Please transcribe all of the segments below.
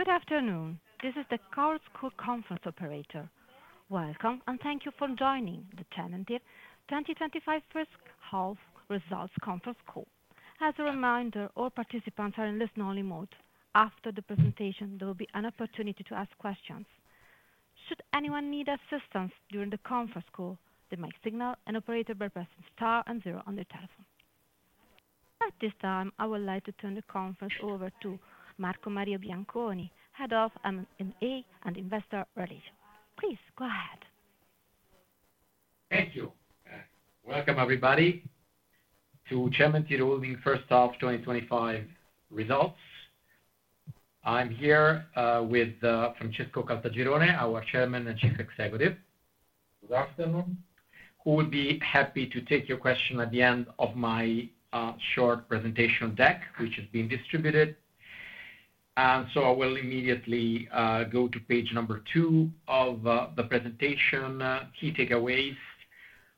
Good afternoon. This is the CloudScout conference operator. Welcome and thank you for joining the Cementir 2025 Fiscal Results Conference call. As a reminder, all participants are in listen-only mode. After the presentation, there will be an opportunity to ask questions. Should anyone need assistance during the conference call, they may signal an operator by pressing star and zero on their telephone. At this time, I would like to turn the conference over to Marco Maria Bianconi, Head of M&A and Investor Relations. Please go ahead. Thank you. Welcome, everybody, to Cementir first half 2025 results. I'm here with Francesco Caltagirone, our Chairman and Chief Executive. Good afternoon. Who would be happy to take your question at the end of my short presentation deck, which has been distributed? I will immediately go to page number two of the presentation, key takeaways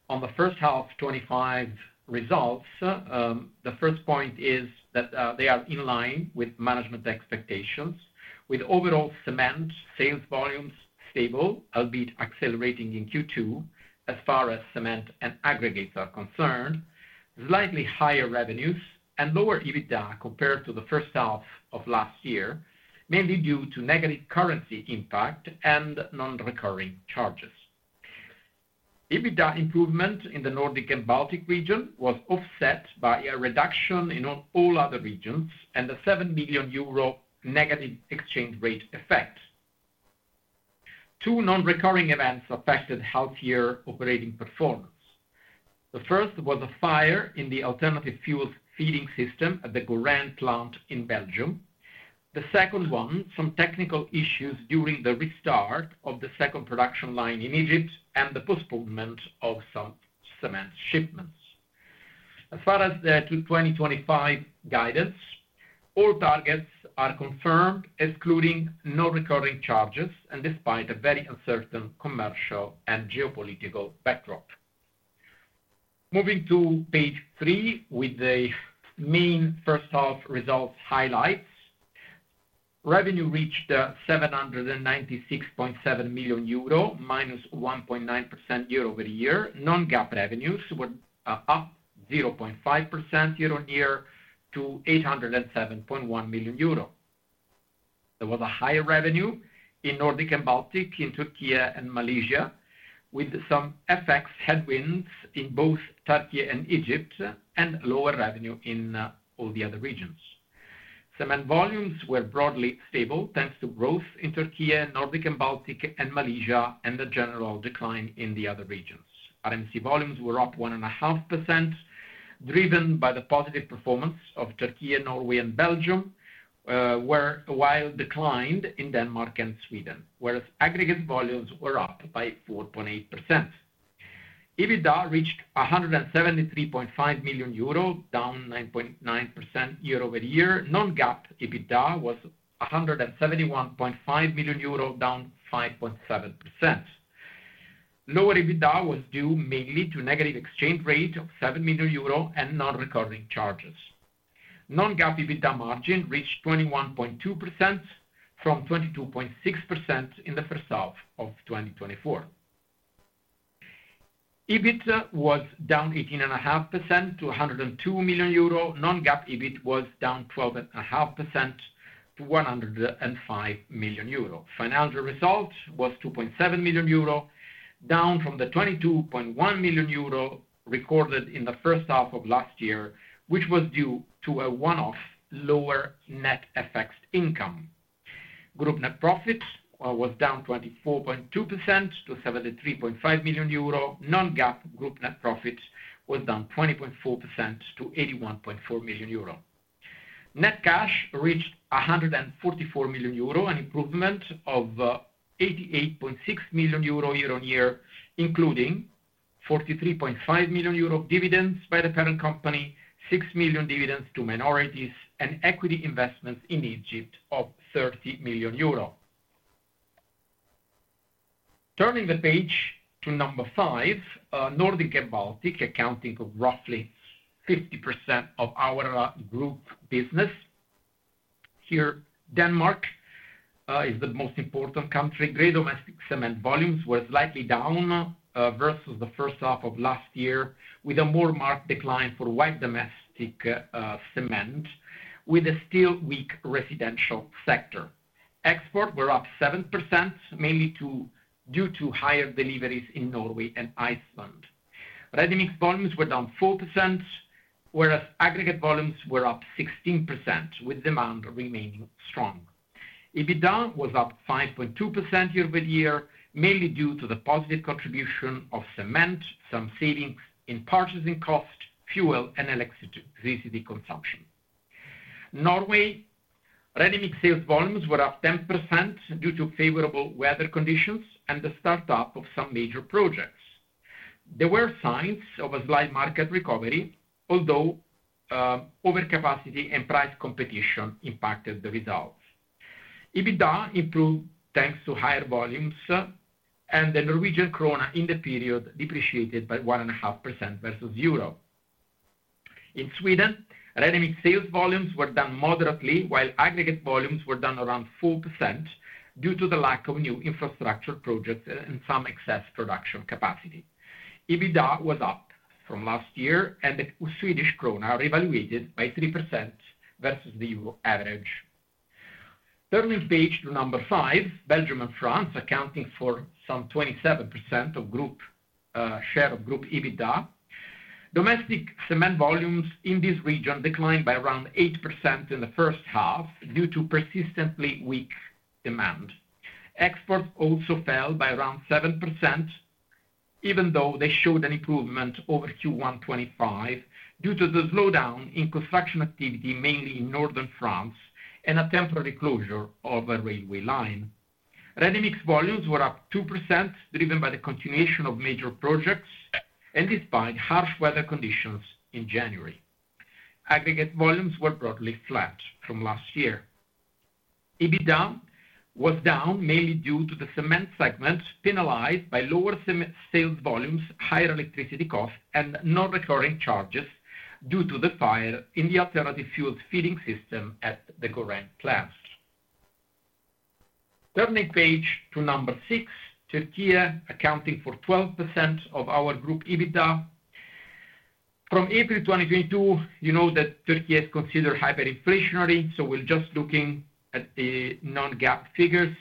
on the first half of 2025 results. The first point is that they are in line with management expectations, with overall cement sales volumes stable, albeit accelerating in Q2, as far as cement and aggregates are concerned. Slightly higher revenues and lower EBITDA compared to the first half of last year, mainly due to negative currency impact and non-recurring charges. EBITDA improvement in the Nordic & Baltic region was offset by a reduction in all other regions and a 7 million euro negative exchange rate effect. Two non-recurring events affected healthier operating performance. The first was a fire in the alternative fuels feeding system at the Grand-Longe in Belgium. The second one, some technical issues during the restart of the second production line in Egypt and the postponement of some cement shipments. As far as the 2025 guidance, all targets are confirmed, excluding non-recurring charges, and despite a very uncertain commercial and geopolitical backdrop. Moving to page three with the main first half results highlights, revenue reached EUR 796.7 million, -1.9% year-over-year. Non-GAAP revenues were up 0.5% year-over-year to 807.1 million euro. There was a higher revenue in Nordic & Baltic, in Turkey and Malaysia, with some FX headwinds in both Turkey and Egypt, and lower revenue in all the other regions. Cement volumes were broadly stable, thanks to growth in Turkey, Nordic & Baltic, and Malaysia, and the general decline in the other regions. RMC volumes were up 1.5%, driven by the positive performance of Turkey, Norway, and Belgium, while declined in Denmark and Sweden, whereas aggregate volumes were up by 4.8%. EBITDA reached 173.5 million euro, down 9.9% year-over-year. Non-GAAP EBITDA was 171.5 million euro, down 5.7%. Lower EBITDA was due mainly to negative exchange rate of 7 million euro and non-recurring charges. Non-GAAP EBITDA margin reached 21.2%, from 22.6% in the first half of 2024. EBIT was down 18.5% to 102 million euro. Non-GAAP EBIT was down 12.5% to 105 million euro. Financial result was 2.7 million euro, down from the 22.1 million euro recorded in the first half of last year, which was due to a one-off lower net FX income. Group net profit was down 24.2% to 73.5 million euro. Non-GAAP group net profit was down 20.4% to 81.4 million euro. Net cash reached 144 million euro, an improvement of 88.6 million euro year-on-year, including 43.5 million euro dividends by the parent company, 6 million dividends to minorities, and equity investments in Egypt of 30 million euro. Turning the page to number five, Nordic & Baltic, accounting for roughly 50% of our group business. Here, Denmark is the most important country. Gray domestic cement volumes were slightly down versus the first half of last year, with a more marked decline for white domestic cement, with a still weak residential sector. Exports were up 7%, mainly due to higher deliveries in Norway and Iceland. Ready-mixed volumes were down 4%, whereas aggregate volumes were up 16%, with demand remaining strong. EBITDA was up 5.2% year-over-year, mainly due to the positive contribution of cement, some savings in purchasing costs, fuel, and electricity consumption. In Norway, ready-mixed sales volumes were up 10% due to favorable weather conditions and the startup of some major projects. There were signs of a slight market recovery, although overcapacity and price competition impacted the results. EBITDA improved thanks to higher volumes, and the Norwegian krona in the period depreciated by 1.5% versus EUR. In Sweden, ready-mixed sales volumes were down moderately, while aggregate volumes were down around 4% due to the lack of new infrastructure projects and some excess production capacity. EBITDA was up from last year, and the Swedish krona revaluated by 3% versus the EUR average. Turning the page to number five, Belgium and France accounting for some 27% of group share of group EBITDA. Domestic cement volumes in this region declined by around 8% in the first half due to persistently weak demand. Exports also fell by around 7%, even though they showed an improvement over Q1 2025 due to the slowdown in construction activity, mainly in northern France, and a temporary closure of a railway line. Ready-mixed volumes were up 2%, driven by the continuation of major projects and despite harsh weather conditions in January. Aggregate volumes were broadly flat from last year. EBITDA was down mainly due to the cement segment penalized by lower sales volumes, higher electricity costs, and non-recurring charges due to the fire in the alternative fuels feeding system at the Ground-glass. Turning the page to number six, Turkey accounting for 12% of our group EBITDA. From April 2022, you know that Turkey is considered hyperinflationary, so we're just looking at the Non-GAAP figures.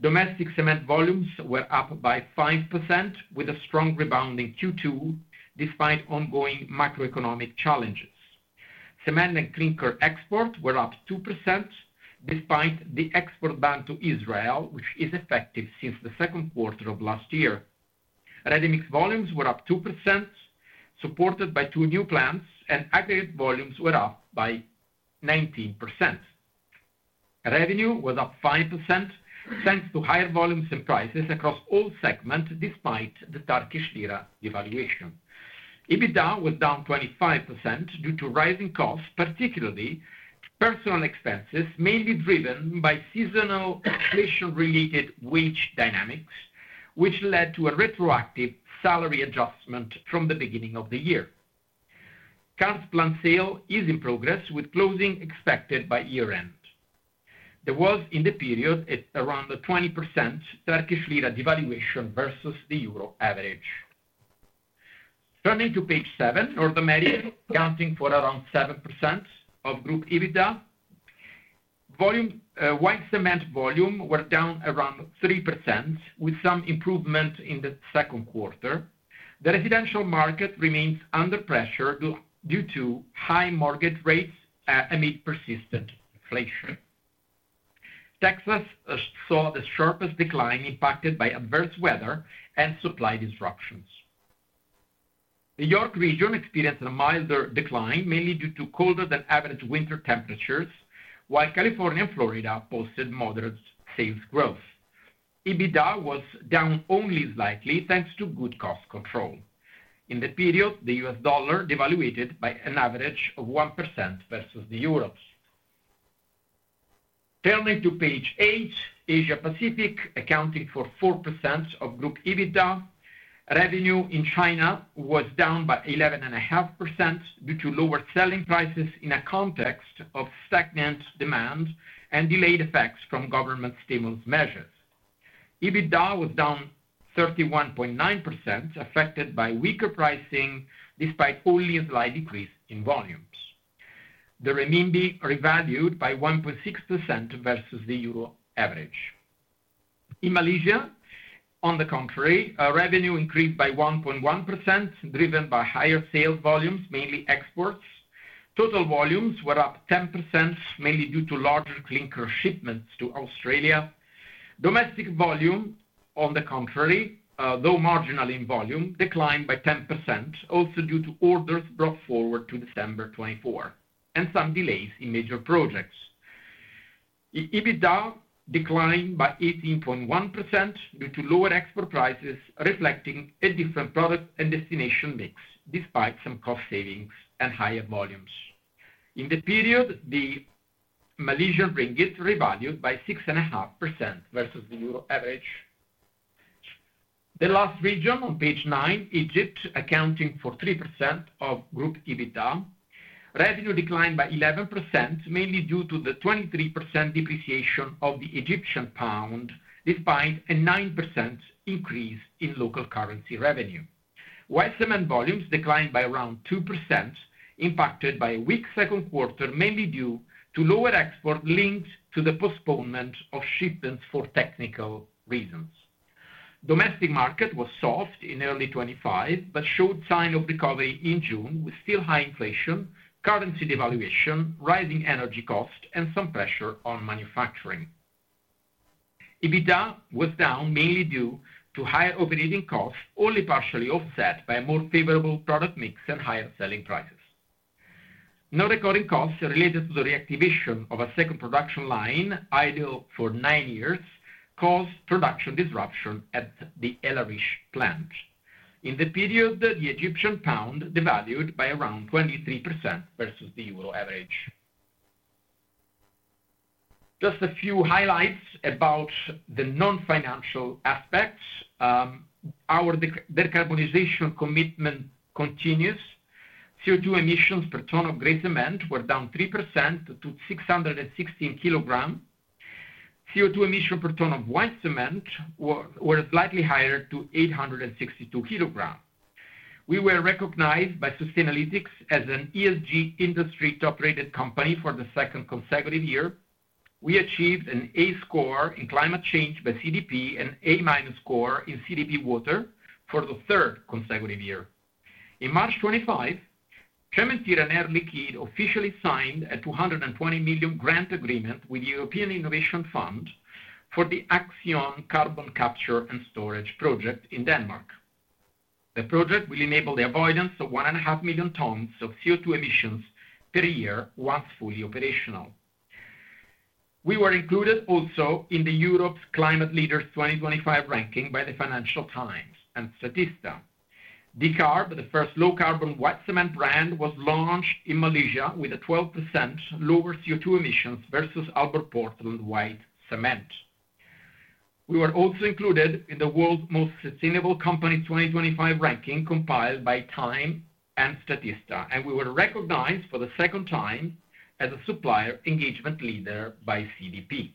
Domestic cement volumes were up by 5%, with a strong rebound in Q2 despite ongoing macroeconomic challenges. Cement and clinker exports were up 2% despite the export ban to Israel, which is effective since the Q2 of last year. Ready-mixed volumes were up 2%, supported by two new plants, and aggregate volumes were up by 19%. Revenue was up 5%, thanks to higher volumes and prices across all segments despite the Turkish Lira devaluation. EBITDA was down 25% due to rising costs, particularly personnel expenses, mainly driven by seasonal inflation-related wage dynamics, which led to a retroactive salary adjustment from the beginning of the year. Kars plant sale is in progress, with closing expected by year-end. There was, in the period, around 20% Turkish Lira devaluation versus the EUR average. Turning to page seven, North America, accounting for around 7% of group EBITDA. White cement volumes were down around 3%, with some improvement in the Q2. The residential market remains under pressure due to high mortgage rates amid persistent inflation. Texas saw the sharpest decline, impacted by adverse weather and supply disruptions. The York region experienced a milder decline, mainly due to colder than average winter temperatures, while California and Florida posted moderate sales growth. EBITDA was down only slightly thanks to good cost control. In the period, the U.S. dollar devalued by an average of 1% versus the EUR. Turning to page eight, Asia Pacific accounting for 4% of group EBITDA. Revenue in China was down by 11.5% due to lower selling prices in a context of stagnant demand and delayed effects from government stimulus measures. EBITDA was down 31.9%, affected by weaker pricing despite only a slight decrease in volumes. The renminbi revalued by 1.6% versus the EUR average. In Malaysia, on the contrary, revenue increased by 1.1%, driven by higher sales volumes, mainly exports. Total volumes were up 10%, mainly due to larger clinker shipments to Australia. Domestic volume, on the contrary, though marginal in volume, declined by 10%, also due to orders brought forward to December 2024 and some delays in major projects. EBITDA declined by 18.1% due to lower export prices reflecting a different product and destination mix, despite some cost savings and higher volumes. In the period, the Malaysian ringgit revalued by 6.5% versus the EUR average. The last region on page nine, Egypt, accounting for 3% of group EBITDA. Revenue declined by 11%, mainly due to the 23% depreciation of the Egyptian pound, despite a 9% increase in local currency revenue. White cement volumes declined by around 2%, impacted by a weak Q2, mainly due to lower exports linked to the postponement of shipments for technical reasons. The domestic market was soft in early 2025 but showed signs of recovery in June, with still high inflation, currency devaluation, rising energy costs, and some pressure on manufacturing. EBITDA was down mainly due to higher operating costs, only partially offset by a more favorable product mix and higher selling prices. Non-recurring costs related to the reactivation of a second production line, idle for nine years, caused production disruption at the El Arish plant. In the period, the Egyptian pound devalued by around 23% versus the EUR average. Just a few highlights about the non-financial aspects. Our decarbonization commitment continues. CO2 emissions per tonne of gray cement were down 3% to 616 kg. CO2 emissions per tonne of white cement were slightly higher to 862 kgs. We were recognized by Sustainalytics as an ESG industry-top-rated company for the second consecutive year. We achieved an A score in climate change by CDP and A- score in CDP water for the third consecutive year. In March 2025, Cementir Holding N.V. and Air Liquide officially signed a 220 million grant agreement with the European Innovation Fund for the Axion Carbon Capture and Storage project in Denmark. The project will enable the avoidance of 1.5 million tons of CO2 emissions per year once fully operational. We were included also in the Europe's Climate Leaders 2025 ranking by the Financial Times and Statista. Decarb, the first low-carbon white cement brand, was launched in Malaysia with a 12% lower CO2 emissions versus Aalborg White Portland white cement. We were also included in the World's Most Sustainable Company 2025 ranking compiled by Time and Statista, and we were recognized for the second time as a supplier engagement leader by CDP.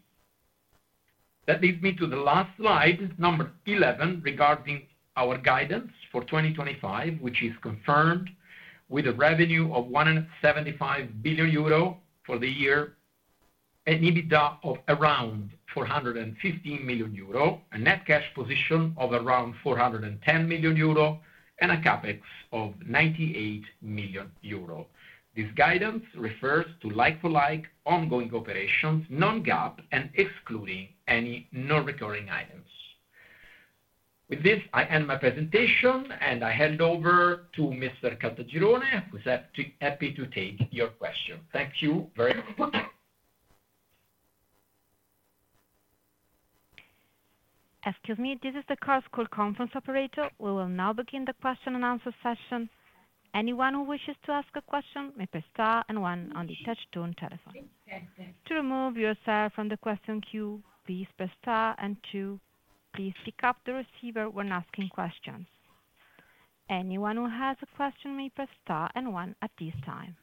That leads me to the last slide, number 11, regarding our guidance for 2025, which is confirmed with a revenue of 1.75 billion euro for the year, an EBITDA of around 415 million euro, a net cash position of around 410 million euro, and a CapEx of 98 million euro. This guidance refers to like-for-like ongoing operations, Non-GAAP, and excluding any non-recurring items. With this, I end my presentation, and I hand over to Mr. Caltagirone, who is happy to take your question. Thank you very much. Excuse me, this is the CloudScout conference operator. We will now begin the question and answer session. Anyone who wishes to ask a question may press star and one on the touch-tone telephone. To remove yourself from the question queue, please press star and two. Please pick up the receiver when asking questions. Anyone who has a question may press star and one at this time.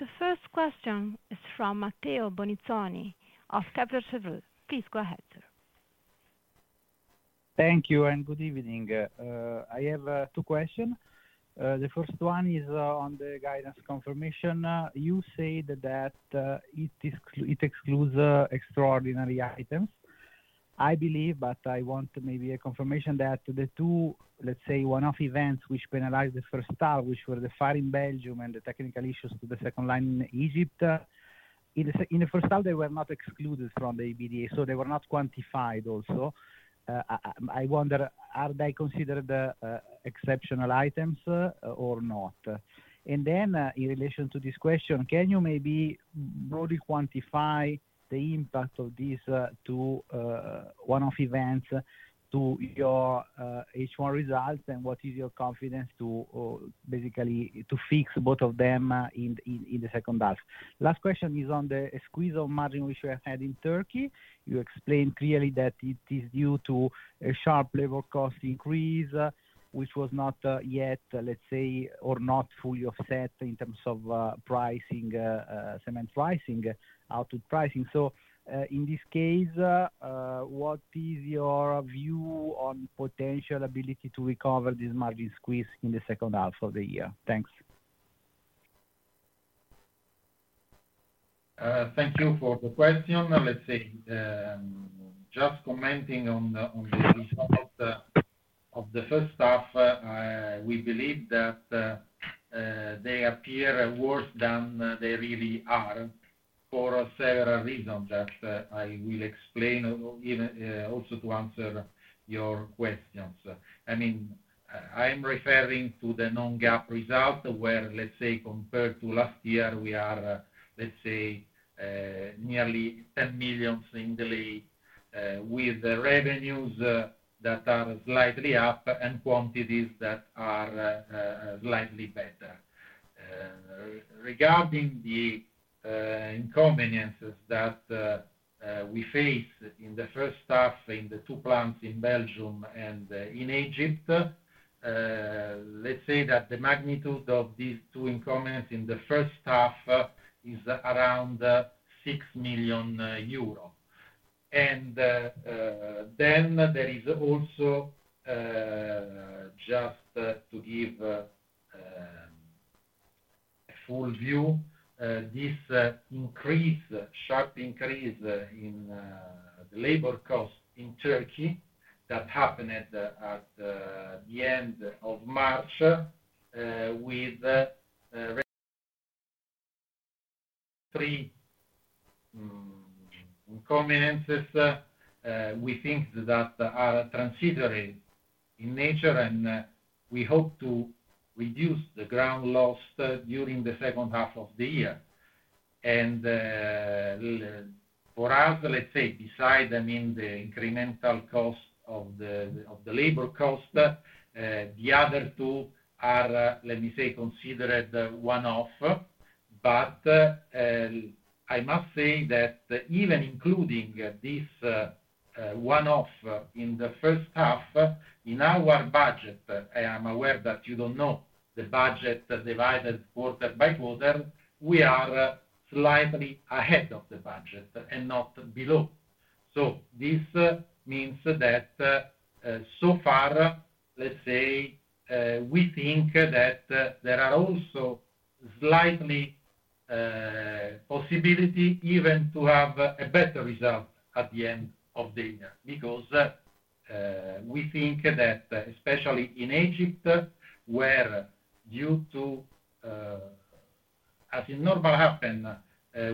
The first question is from Matteo Bonizzoni of Kepler Cheuvreux. Please go ahead, sir. Thank you and good evening. I have two questions. The first one is on the guidance confirmation. You said that it excludes extraordinary items. I believe, but I want maybe a confirmation that the two, let's say, one-off events which penalized the first half, which were the fire in Belgium and the technical issues to the second line in Egypt, in the first half, they were not excluded from the EBITDA, so they were not quantified also. I wonder, are they considered exceptional items or not? In relation to this question, can you maybe broadly quantify the impact of these two one-off events to your H1 results and what is your confidence to basically fix both of them in the second half? Last question is on the squeeze of margin which we had in Turkey. You explained clearly that it is due to a sharp labor cost increase, which was not yet, let's say, or not fully offset in terms of pricing, cement pricing, output pricing. In this case, what is your view on the potential ability to recover this margin squeeze in the second half of the year? Thanks. Thank you for the question. Just commenting on the results of the first half, we believe that they appear worse than they really are for several reasons that I will explain or even also to answer your questions. I am referring to the Non-GAAP result where, compared to last year, we are nearly 10 million in delay with the revenues that are slightly up and quantities that are slightly better. Regarding the inconveniences that we face in the first half in the two plants in Belgium and in Egypt, the magnitude of these two inconveniences in the first half is around EUR 6 million. There is also, just to give a full view, this sharp increase in the labor costs in Turkey that happened at the end of March with three inconveniences we think are transitory in nature and we hope to reduce the ground lost during the second half of the year. For us, beside the incremental cost of the labor cost, the other two are considered one-off. I must say that even including this one-off in the first half in our budget, I am aware that you don't know the budget divided quarter-by-quarter, we are slightly ahead of the budget and not below. This means that so far, we think that there are also slight possibilities even to have a better result at the end of the year because we think that especially in Egypt, where, as it normally happens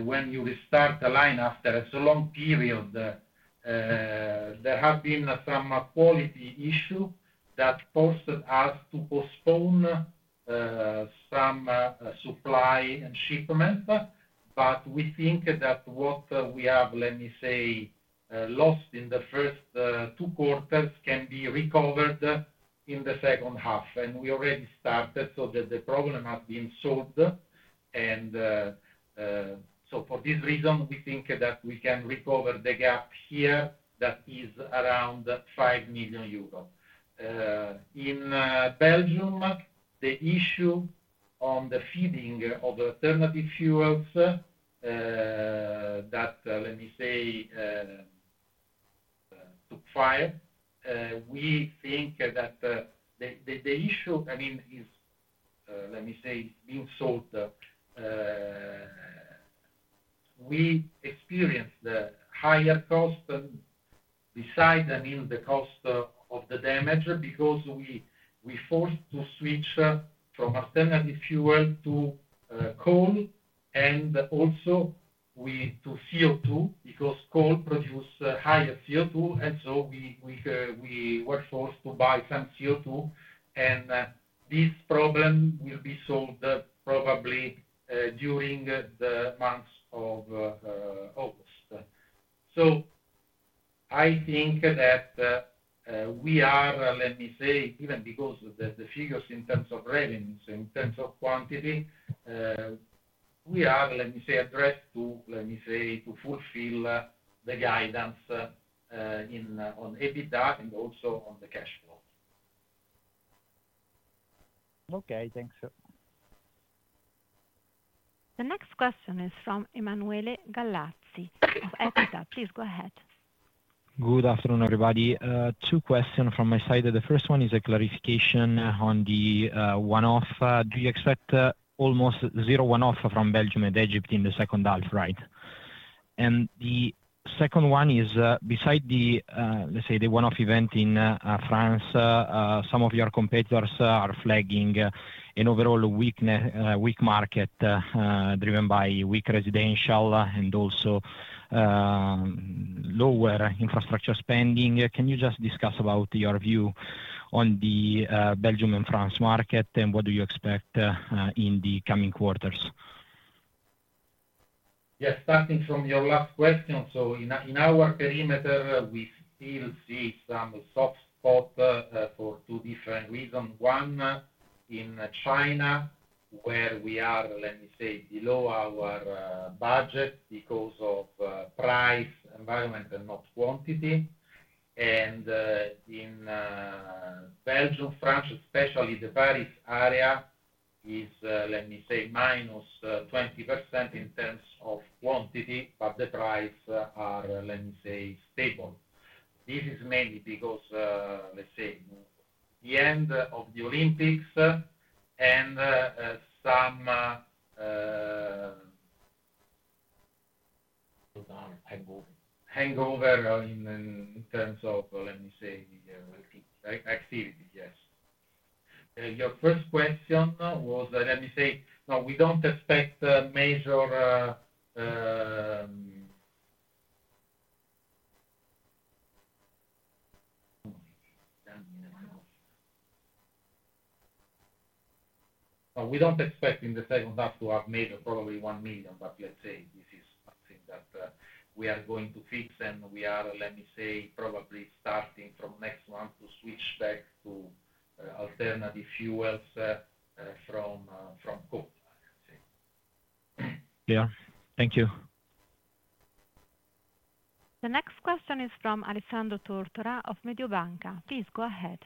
when you restart a line after a long period, there have been some quality issues that forced us to postpone some supply and shipment. We think that what we have lost in the first two quarters can be recovered in the second half. We already started, so the problem has been solved. For this reason, we think that we can recover the gap here that is around 5 million euros. In Belgium, the issue on the feeding of alternative fuels that took fire, we think that the issue has been solved. We experienced the higher cost beside the cost of the damage because we were forced to switch from alternative fuel to coal and also to CO2 because coal produces higher CO2. We were forced to buy some CO2. This problem will be solved probably during the month of August. I think that we are, even because of the figures in terms of revenue, so in terms of quantity, addressed to fulfill the guidance on EBITDA and also on the cash flow. Okay. Thanks, sir. The next question is from Emanuele Gallazzi of EQUITA. Please go ahead. Good afternoon, everybody. Two questions from my side. The first one is a clarification on the one-off. Do you expect almost zero one-off from Belgium and Egypt in the second half, right? The second one is, beside the, let's say, the one-off event in France, some of your competitors are flagging an overall weak market driven by weak residential and also lower infrastructure spending. Can you just discuss about your view on the Belgium and France market and what do you expect in the coming quarters? Yes, starting from your last question. In our perimeter, we still see some soft spot for two different reasons. One, in China, where we are, let me say, below our budget because of price environment and not quantity. In Belgium, France, especially the Paris area, is, let me say, -20% in terms of quantity, but the prices are, let me say, stable. This is mainly because, let's say, the end of the Olympics and some hangover in terms of, let me say, activity, yes. Your first question was, let me say, no, we don't expect major... No, we don't expect in the second half to have major, probably $1 million, but let's say this is something that we are going to fix and we are, let me say, probably starting from next month to switch back to alternative fuels from coal, I would say. Yeah, thank you. The next question is from Alessandro Tortora of Mediobanca. Please go ahead.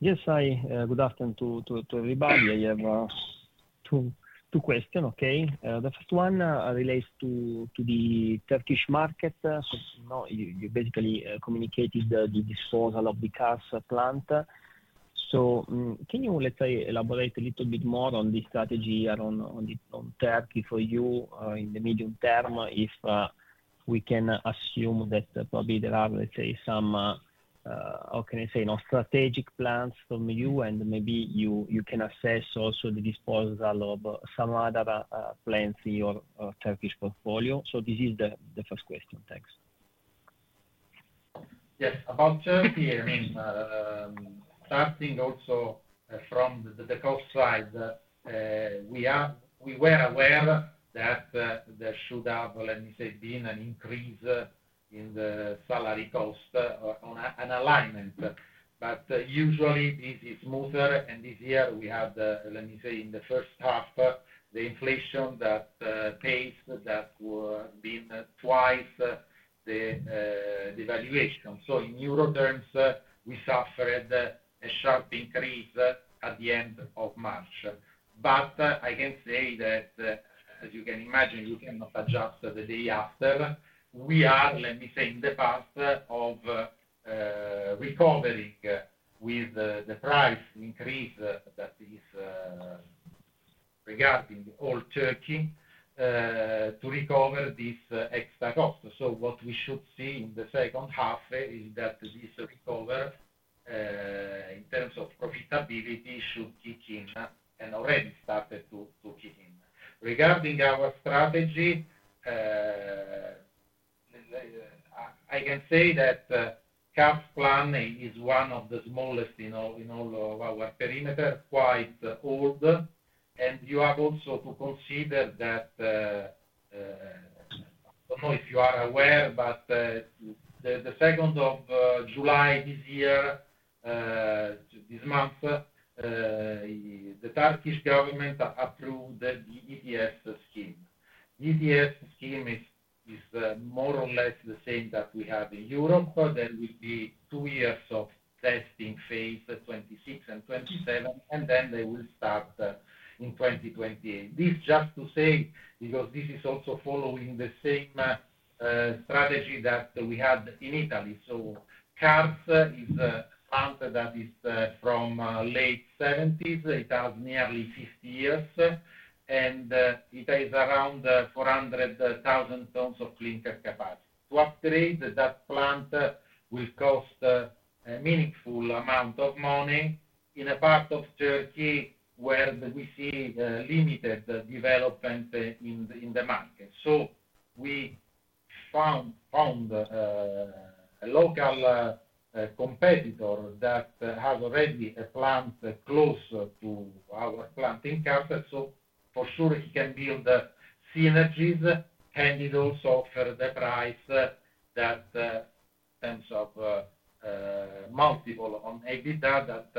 Yes, good afternoon to everybody. I have two questions, okay? The first one relates to the Turkish market. You basically communicated the disposal of the Kars plant. Can you elaborate a little bit more on the strategy around Turkey for you in the medium-term if we can assume that probably there are some, how can I say, strategic plans from you and maybe you can assess also the disposal of some other plants in your Turkish portfolio? This is the first question. Thanks. Yes. About Turkey, starting also from the cost side, we were aware that there should have, let me say, been an increase in the salary cost on an alignment. Usually, this is smoother and easier. We had, let me say, in the first half, the inflation that pays that would have been twice the valuation. In EUR terms, we suffered a sharp increase at the end of March. I can say that, as you can imagine, you cannot adjust the day after. We are, let me say, in the path of recovering with the price increase that is regarding all Turkey to recover this extra cost. What we should see in the second half is that this recovery, in terms of profitability, should kick in and already started to kick in. Regarding our strategy, I can say that the Kars plant is one of the smallest in all of our perimeter, quite old. You have also to consider that, I don't know if you are aware, but the 2nd of July this year, the Turkish government approved the ETS scheme. The ETS scheme is more or less the same that we have in Europe. There will be two years of testing phase, 2026 and 2027, and then they will start in 2028. This is just to say because this is also following the same strategy that we had in Italy. Kars is a plant that is from late 1970s. It has nearly 50 years. It has around 400,000 tons of clinker capacity. To upgrade that plant will cost a meaningful amount of money in a part of Turkey where we see limited development in the market. We found a local competitor that has already a plant close to our plant in Capital. For sure, he can build synergies, can also offer the price that in terms of multiple on EBITDA that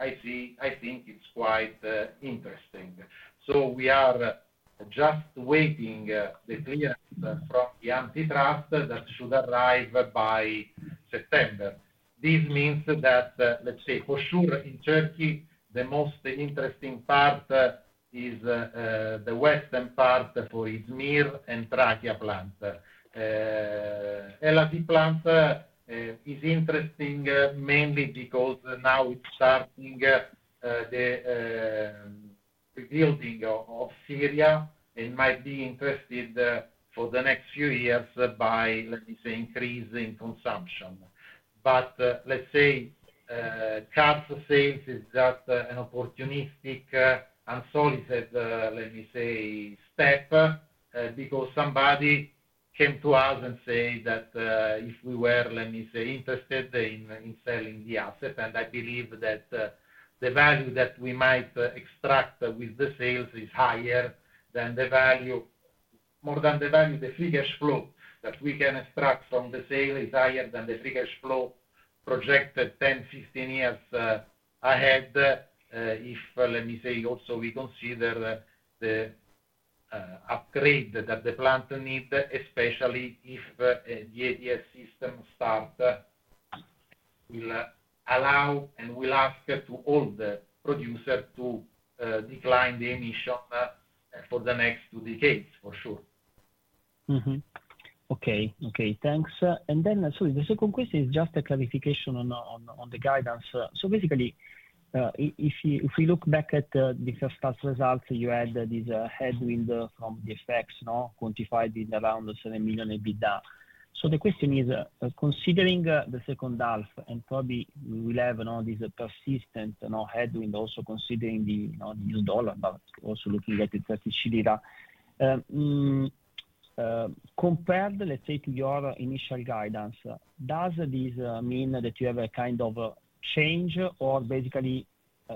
I see, I think it's quite interesting. We are just waiting the clearance from the antitrust that should arrive by September. This means that, let's say, for sure in Turkey, the most interesting part is the western part for Izmir and Trakya plant. Elazig plant is interesting mainly because now it's starting the rebuilding of Syria and might be interested for the next few years by, let me say, increase in consumption. Let's say Kars sales is just an opportunistic, unsolicited, let me say, step because somebody came to us and said that if we were, let me say, interested in selling the asset. I believe that the value that we might extract with the sales is higher than the value, more than the value the free cash flow that we can extract from the sale is higher than the free cash flow projected 10, 15 years ahead. If we also consider the upgrade that the plant needs, especially if the ETS scheme starts, it will allow and will ask all the producers to decline the emission for the next two decades for sure. Okay. Thanks. Sorry, the second question is just a clarification on the guidance. If we look back at the first half's results, you had this headwind from the effects quantified in around $7 million EBITDA. The question is, considering the second half, and probably we will have this persistent headwind also considering the U.S. dollar, but also looking at the Turkish Lira, compared, let's say, to your initial guidance, does this mean that you have a kind of change or basically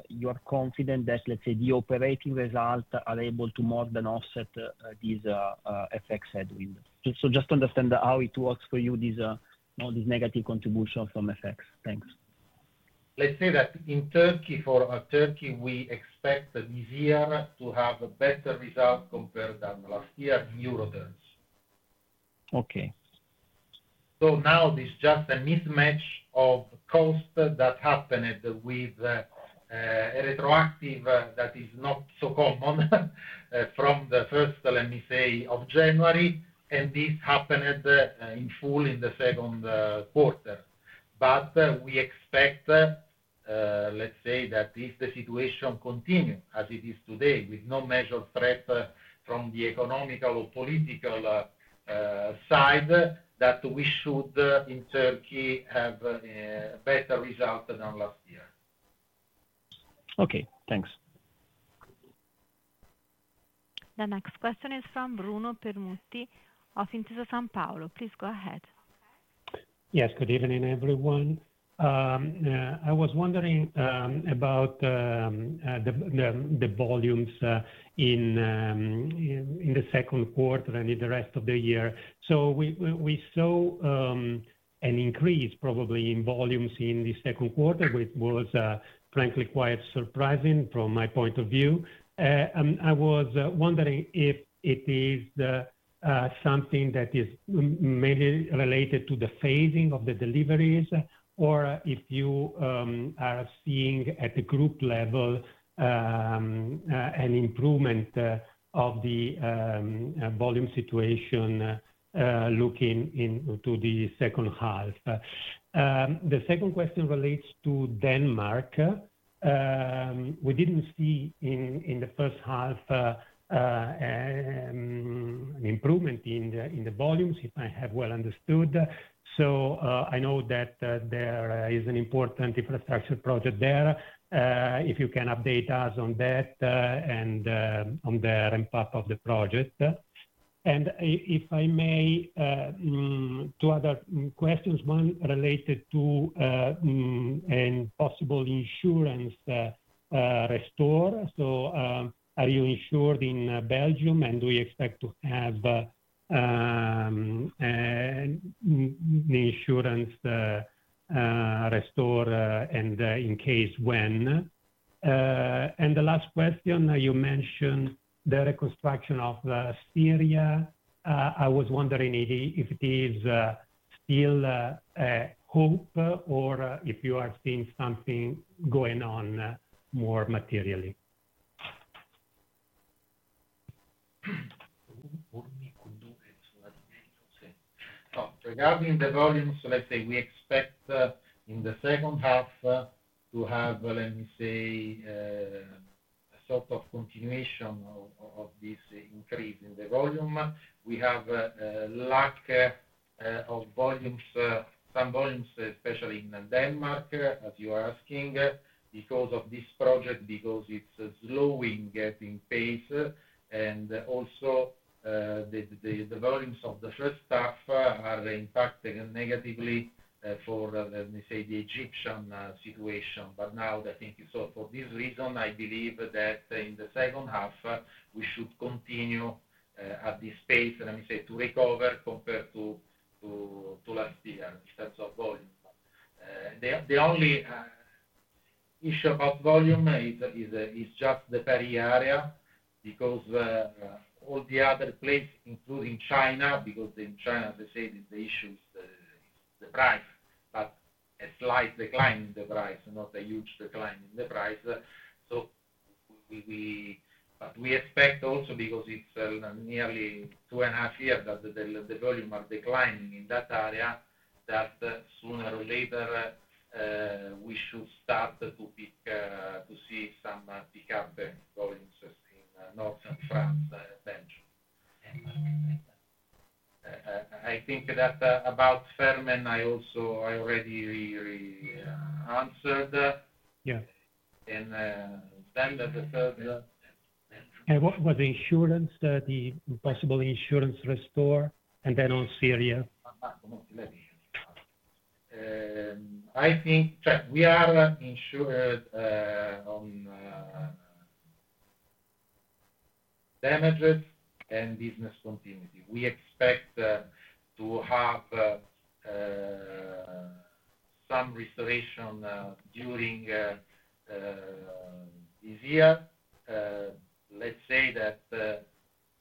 you are confident that, let's say, the operating results are able to more than offset this effects headwind? Just to understand how it works for you, this negative contribution from effects. Thanks. Let's say that in Turkey, for Turkey, we expect this year to have a better result compared to last year in EUR terms. Okay. There is just a mismatch of cost that happened with a retroactive that is not so common from the first, let me say, of January. This happened in full in the Q2. We expect, let's say, that if the situation continues as it is today with no major threat from the economical or political side, we should, in Turkey, have a better result than last year. Okay. Thanks. The next question is from Bruno Permutti of Intesa Sanpaolo. Please go ahead. Yes. Good evening, everyone. I was wondering about the volumes in the Q2 and in the rest of the year. We saw an increase probably in volumes in the Q2, which was frankly quite surprising from my point of view. I was wondering if it is something that is mainly related to the phasing of the deliveries or if you are seeing at the group level an improvement of the volume situation looking into the second half. The second question relates to Denmark. We didn't see in the first half an improvement in the volumes, if I have well understood. I know that there is an important infrastructure project there. If you can update us on that and on the ramp-up of the project. If I may, two other questions, one related to a possible insurance restore. Are you insured in Belgium and do you expect to have an insurance restore and in case when? The last question, you mentioned the reconstruction of Syria. I was wondering if it is still a hope or if you are seeing something going on more materially. Regarding the volumes, let's say we expect in the second half to have, let me say, a sort of continuation of this increase in the volume. We have a lack of volumes, some volumes, especially in Denmark, as you are asking, because of this project, because it's slowing its pace. Also, the volumes of the first half are impacting negatively for, let me say, the Egyptian situation. For this reason, I believe that in the second half, we should continue at this pace, let me say, to recover compared to last year in terms of volume. The only issue about volume is just the Paris area because all the other places, including China, because in China, as I said, the issue is the price, but a slight decline in the price, not a huge decline in the price. We expect also, because it's nearly two and a half years that the volumes are declining in that area, that sooner or later, we should start to see some pickup volumes in Northern France, Belgium. I think that about Fermen, I also already answered. Yeah. The third. What was the insurance, the possible insurance restore? On Syria. I think we are insured on damages and business continuity. We expect to have some restoration during this year. Let's say that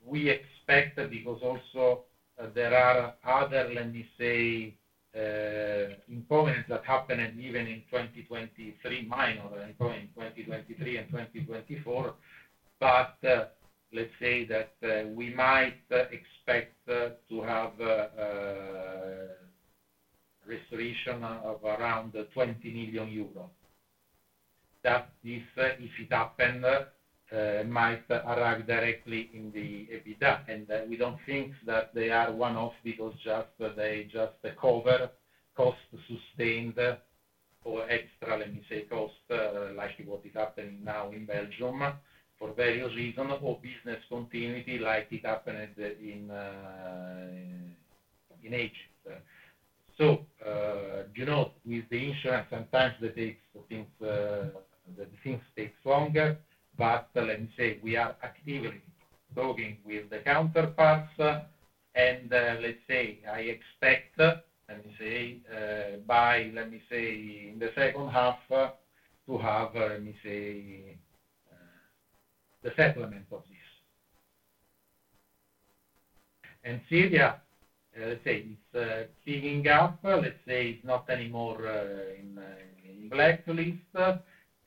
we expect because also there are other, let me say, inconveniences that happened even in 2023 and 2024. Let's say that we might expect to have a restoration of around 20 million euros. If it happened, it might arrive directly in the EBITDA. We don't think that they are one-off because they just cover costs sustained or extra costs like what is happening now in Belgium for various reasons or business continuity like it happened in Egypt. With the insurance, sometimes things take longer. We are actively talking with the counterparts. I expect, by the second half, to have the settlement of this. Syria is picking up. It's not anymore in blacklist.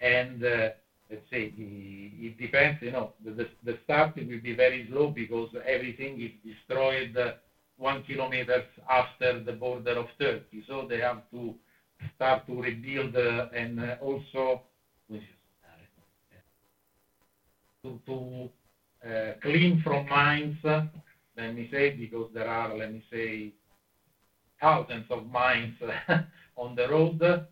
It depends. The start will be very slow because everything is destroyed 1 km after the border of Turkey. They have to start to rebuild and also clean from mines because there are thousands of mines on the road.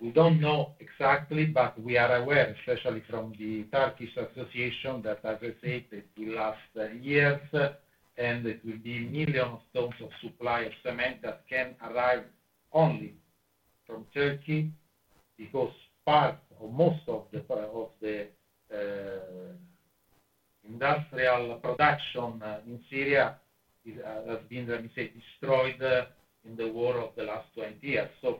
We don't know exactly, but we are aware, especially from the Turkish Association, that as I said, it will last years. It will be millions of tons of supply of cement that can arrive only from Turkey because part or most of the industrial production in Syria has been destroyed in the war of the last 20 years. I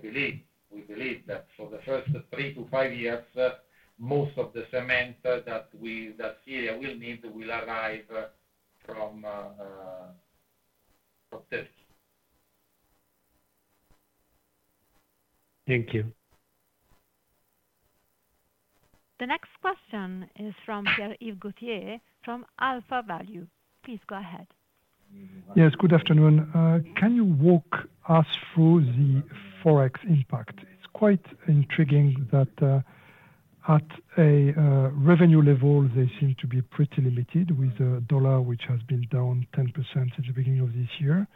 believe we believe that for the first three to five years, most of the cement that Syria will need will arrive from Turkey. Thank you. The next question is from Pierre-Yves Gauthier from AlphaValue. Please go ahead. Yes. Good afternoon. Can you walk us through the forex impact? It's quite intriguing that at a revenue level, they seem to be pretty limited with the dollar, which has been down 10% since the beginning of this year.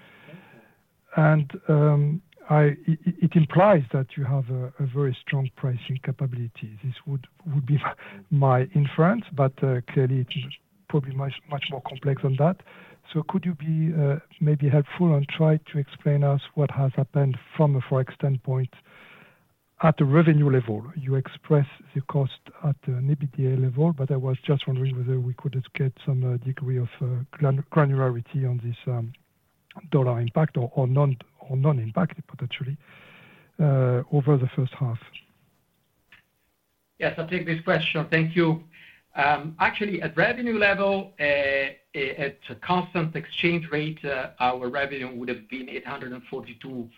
It implies that you have a very strong pricing capability. This would be my inference, but clearly, it's probably much more complex than that. Could you be maybe helpful and try to explain to us what has happened from a forex standpoint at a revenue level? You express the cost at an EBITDA level, but I was just wondering whether we could get some degree of granularity on this dollar impact or non-impact, potentially, over the first half. Yes, I'll take this question. Thank you. Actually, at revenue level, at a constant exchange rate, our revenue would have been 842.1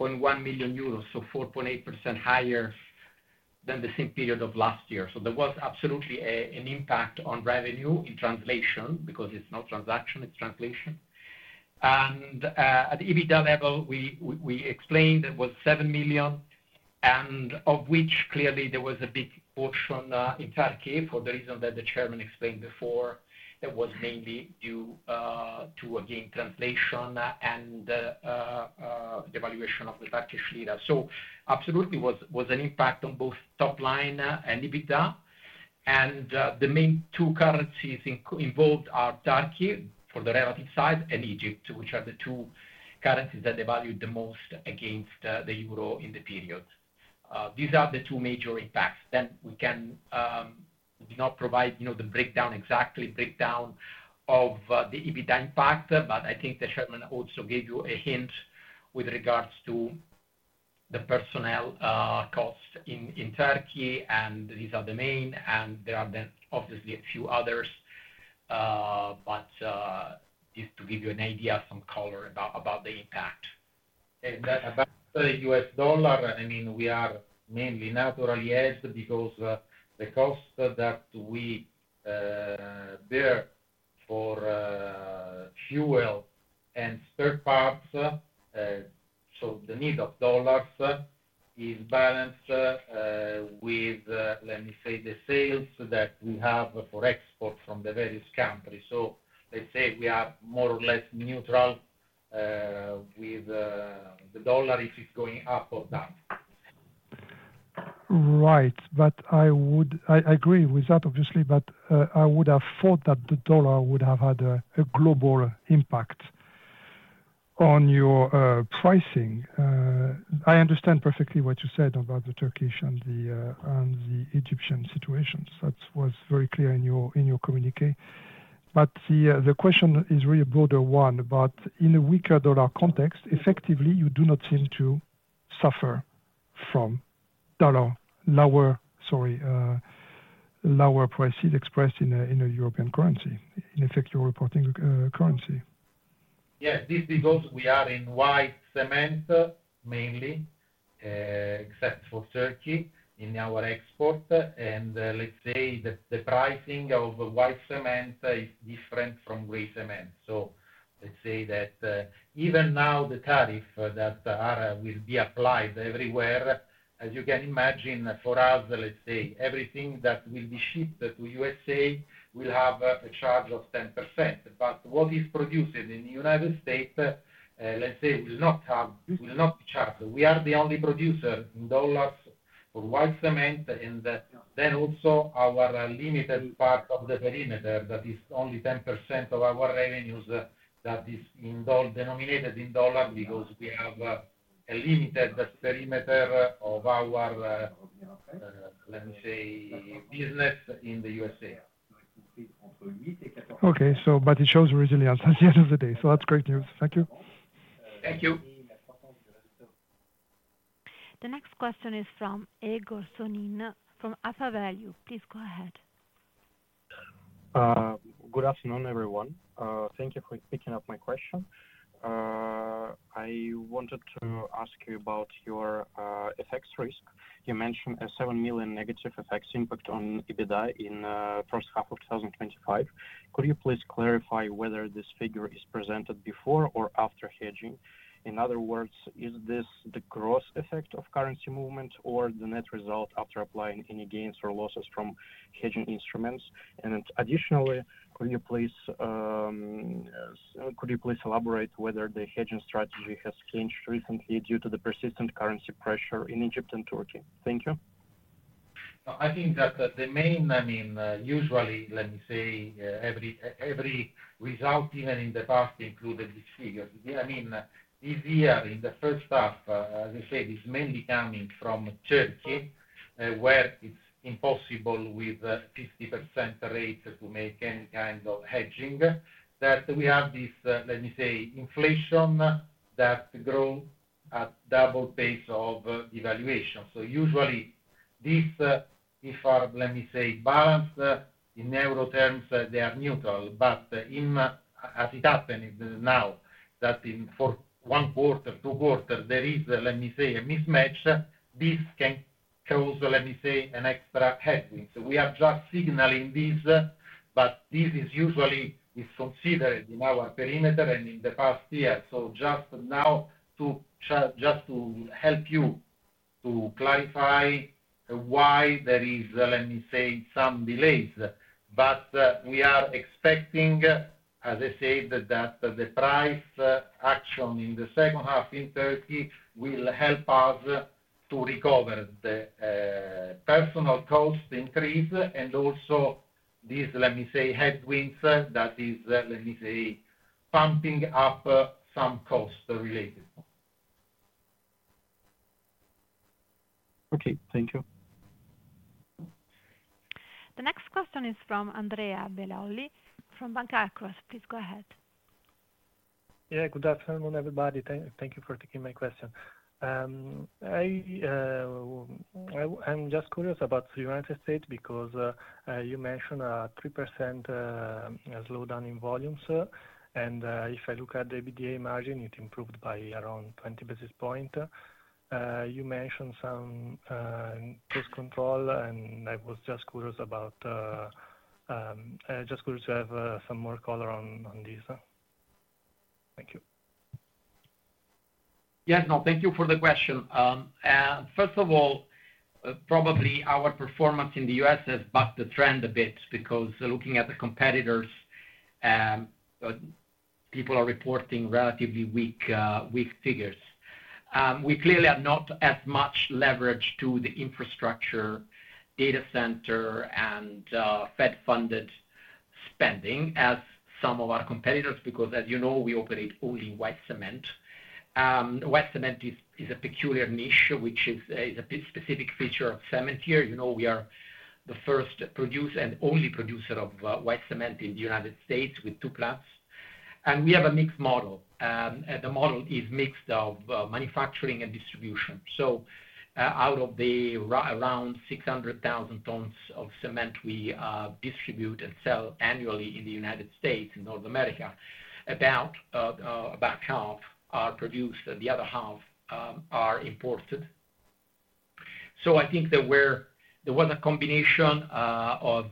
million euros, so 4.8% higher than the same period of last year. There was absolutely an impact on revenue in translation because it's not transaction, it's translation. At the EBITDA level, we explained it was 7 million, and of which clearly there was a big portion in Turkey for the reason that the Chairman explained before. It was mainly due to, again, translation and the valuation of the Turkish Lira. Absolutely, it was an impact on both top line and EBITDA. The main two currencies involved are Turkey for the relative side and Egypt, which are the two currencies that devalued the most against the EUR in the period. These are the two major impacts. We can not provide the breakdown exactly of the EBITDA impact, but I think the Chairman also gave you a hint with regards to the personnel costs in Turkey, and these are the main. There are obviously a few others, but just to give you an idea, some color about the impact. Regarding the U.S. dollar, we are mainly naturally aided because the cost that we bear for fuel and spare parts, so the need of dollars is balanced with, let me say, the sales that we have for export from the various countries. Let's say we are more or less neutral with the dollar if it's going up or down. Right. I would agree with that, obviously, but I would have thought that the dollar would have had a global impact on your pricing. I understand perfectly what you said about the Turkish and the Egyptian situations. That was very clear in your communiqué. The question is really a broader one. In a weaker dollar context, effectively, you do not seem to suffer from dollar lower prices expressed in a EUR pean currency. In effect, you're reporting currency. Yes, this is because we are in white cement mainly, except for Turkey in our export. Let's say that the pricing of white cement is different from gray cement. Even now, the tariff that will be applied everywhere, as you can imagine, for us, everything that will be shipped to the U.S. will have a charge of 10%. What is produced in the United States will not be charged. We are the only producer in dollars for white cement. Also, our limited part of the perimeter is only 10% of our revenues that is denominated in dollars because we have a limited perimeter of our business in the USA. It shows resilience at the end of the day. That's great news. Thank you. Thank you. The next question is from Egor Sonin from AlphaValue. Please go ahead. Good afternoon, everyone. Thank you for picking up my question. I wanted to ask you about your FX risk. You mentioned a $7 million negative FX impact on EBITDA in the first half of 2025. Could you please clarify whether this figure is presented before or after hedging? In other words, is this the gross effect of currency movement or the net result after applying any gains or losses from hedging instruments? Additionally, could you please elaborate whether the hedging strategy has changed recently due to the persistent currency pressure in Egypt and Turkey? Thank you. I think that the main, I mean, usually, let me say, every result even in the past included these figures. I mean, this year in the first half, as I said, is mainly coming from Turkey, where it's impossible with a 50% rate to make any kind of hedging, that we have this, let me say, inflation that grows at double pace of devaluation. Usually, these, if I, let me say, balance in EUR terms, they are neutral. As it happened now, that in 1Q, 2Q, there is, let me say, a mismatch. This can cause, let me say, an extra headwind. We are just signaling this, but this is usually considered in our perimeter and in the past year. Just now to help you to clarify why there is, let me say, some delays. We are expecting, as I said, that the price action in the second half in Turkey will help us to recover the personal cost increase and also these, let me say, headwinds that is, let me say, pumping up some costs related. Okay, thank you. The next question is from Andrea Belloli from Banca Akros. Please go ahead. Good afternoon, everybody. Thank you for taking my question. I'm just curious about the United States because you mentioned a 3% slowdown in volumes. If I look at the EBITDA margin, it improved by around 20 basis points. You mentioned some cost control, and I was just curious to have some more color on this. Thank you. Thank you for the question. First of all, probably our performance in the U.S. has bucked the trend a bit because looking at the competitors, people are reporting relatively weak figures. We clearly have not as much leverage to the infrastructure, data center, and Fed-funded spending as some of our competitors because, as you know, we operate only white cement. White cement is a peculiar niche, which is a specific feature of Cementir. We are the first producer and only producer of white cement in the United States with two plants. We have a mixed model. The model is mixed of manufacturing and distribution. Out of the around 600,000 tons of cement we distribute and sell annually in the United States and North America, about half are produced and the other half are imported. I think there was a combination of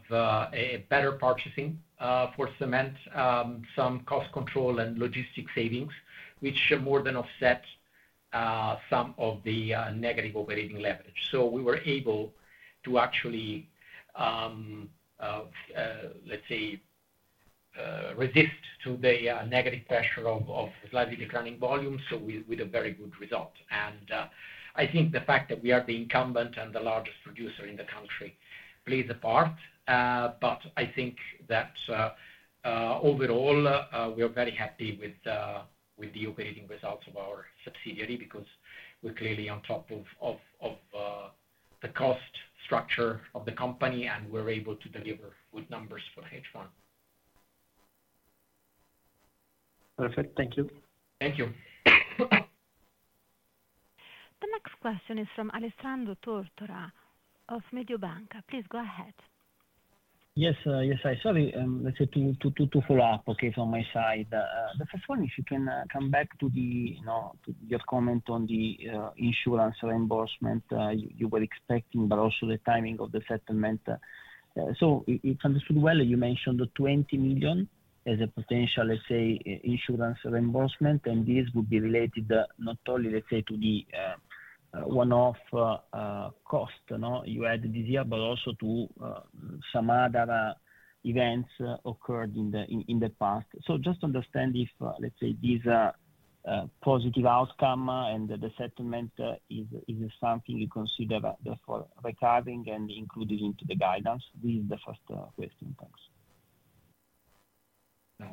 better purchasing for cement, some cost control, and logistic savings, which more than offset some of the negative operating leverage. We were able to actually resist the negative pressure of slightly declining volumes, with a very good result. I think the fact that we are the incumbent and the largest producer in the country plays a part. I think that overall, we are very happy with the operating results of our subsidiary because we're clearly on top of the cost structure of the company and we're able to deliver good numbers for H1. Perfect. Thank you. Thank you. The next question is from Alessandro Tortora of Mediobanca. Please go ahead. Yes. Yes. I saw the, let's say, two follow-up cases on my side. The first one is, you can come back to your comment on the insurance reimbursement you were expecting, but also the timing of the settlement. If I understood well, you mentioned the $20 million as a potential, let's say, insurance reimbursement. This would be related not only, let's say, to the one-off cost you had this year, but also to some other events occurred in the past. Just to understand if, let's say, this positive outcome and the settlement is something you consider therefore recurring and included into the guidance. This is the first question. Thanks.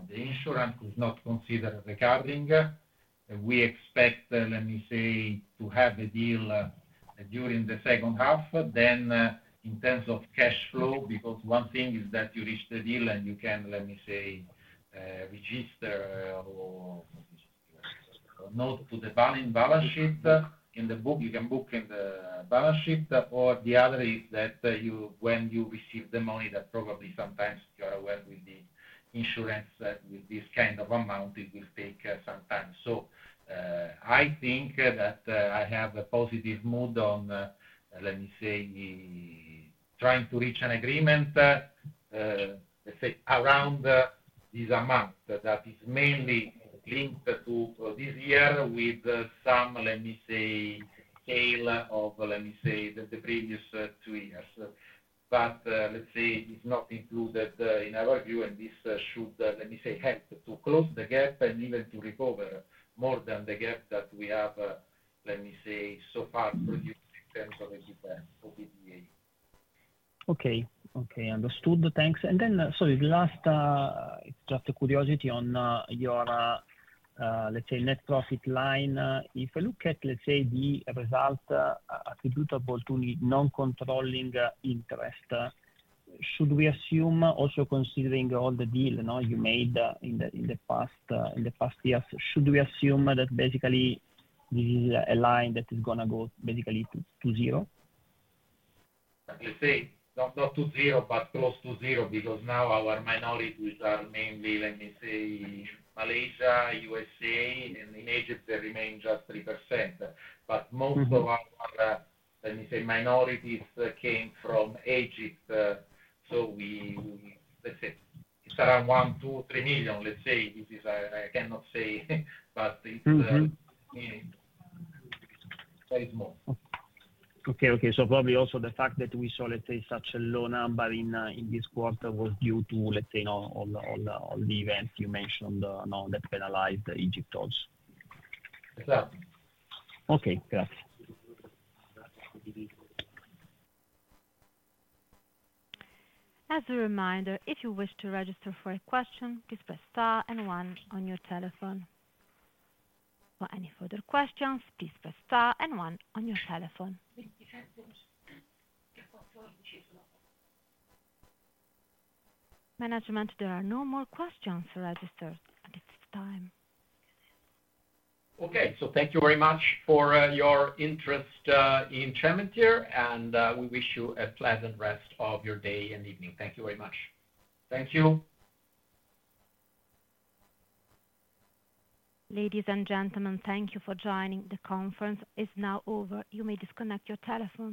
The insurance is not considered recurring. We expect, let me say, to have a deal during the second half. In terms of cash flow, because one thing is that you reach the deal and you can, let me say, register or not to the balance sheet. In the book, you can book in the balance sheet. The other is that when you receive the money, that probably sometimes you are aware with the insurance with this kind of amount, it will take some time. I think that I have a positive mood on, let me say, trying to reach an agreement, let's say, around this amount that is mainly linked to this year with some, let me say, scale of, let me say, the previous two years. It's not included in our view, and this should, let me say, help to close the gap and even to recover more than the gap that we have, let me say, so far produced in terms of EBITDA. Okay. Okay. Understood. Thanks. Sorry, the last, it's just a curiosity on your, let's say, net profit line. If I look at, let's say, the result attributable to non-controlling interest, should we assume, also considering all the deal you made in the past years, should we assume that basically this is a line that is going to go basically to zero? Let's say not to zero, but close to zero because now our minorities, which are mainly, let me say, Malaysia, U.S.A., and in Egypt, they remain just 3%. Most of our, let me say, minorities came from Egypt. It's around $1 million, $2 million, $3 million, let's say. This is, I cannot say, but it's very small. Okay. Probably also the fact that we saw, let's say, such a low number in this quarter was due to, let's say, all the events you mentioned that penalized Egypt also. Exactly. Okay. Grazie. As a reminder, if you wish to register for a question, please press star and one on your telephone. For any further questions, please press star and one on your telephone. Management, there are no more questions registered at this time. Thank you very much for your interest in Cementir, and we wish you a pleasant rest of your day and evening. Thank you very much. Thank you. Ladies and gentlemen, thank you for joining. The conference is now over. You may disconnect your telephone.